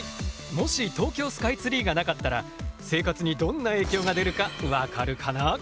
もし東京スカイツリーがなかったら生活にどんな影響が出るか分かるかな？